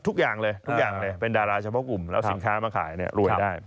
ทุกอย่างเลยเป็นดาราเฉพาะกลุ่มแล้วสินค้ามาขายรวยได้